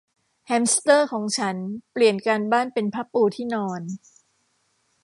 แฮมสเตอร์ของฉันเปลี่ยนการบ้านเป็นผ้าปูที่นอน